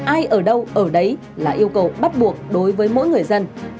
ai ở đâu ở đấy là yêu cầu bắt buộc đối với mỗi người dân